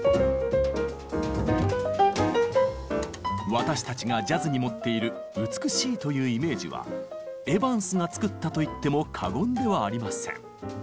私たちがジャズに持っている「美しい」というイメージはエヴァンスが作ったと言っても過言ではありません。